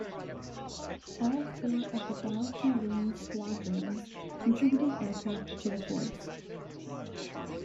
All four of the Dallachy Wing's squadrons contributed aircraft to the force.